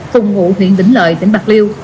phùng ngụ huyện vĩnh lợi tỉnh bạc liêu